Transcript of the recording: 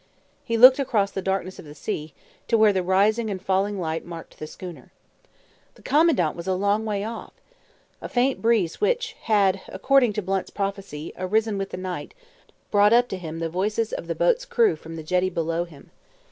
He looked across the darkness of the sea, to where the rising and falling light marked the schooner. The Commandant was a long way off! A faint breeze, which had according to Blunt's prophecy arisen with the night, brought up to him the voices of the boat's crew from the jetty below him.